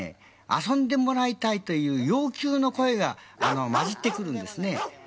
遊んでもらいたいという要求の声がまじってくるんですね。